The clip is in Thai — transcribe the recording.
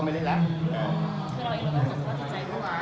คือเราอีกแล้วก็ต้องคิดใจกว่า